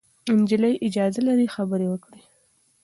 نجلۍ اجازه لري خبرې وکړي.